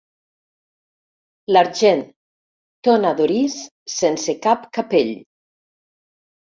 L'argent, tona d'orís sense cap capell.